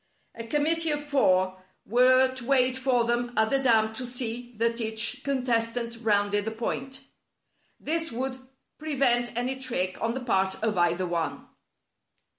A committee of four were to wait for them at the dam to see that each con testant rounded the point. This would prevent any trick on the part of either one.